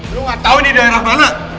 lu gatau ini daerah mana